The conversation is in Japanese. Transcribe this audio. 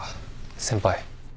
先輩。